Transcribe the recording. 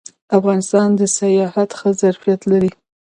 افغانستان د سیاحت ښه ظرفیت لري